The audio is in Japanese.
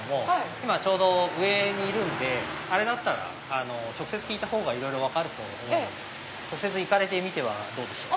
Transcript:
今ちょうど上にいるんで直接聞いたほうがいろいろ分かると思うんで行かれてみてはどうでしょう？